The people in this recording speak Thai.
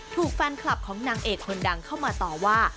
ถูกแฟนคลับของนางเอกคนดังเข้ามาต่อว่า